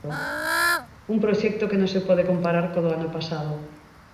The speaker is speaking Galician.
Un proxecto que non se pode comparar co do ano pasado.